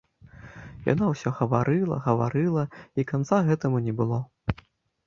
Яна ўсё гаварыла, гаварыла, і канца гэтаму не было.